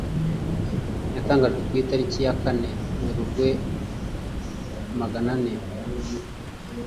Yatangajwe kw'itariki ya kane Werurwe maganane